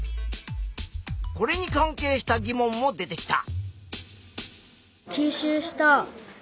これに関係した疑問も出てきた。